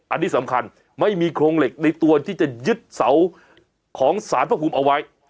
อันนี้สำคัญไม่มีโครงเหล็กในตัวที่จะยึดเสาของสารพระภูมิเอาไว้